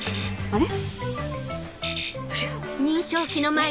あれ？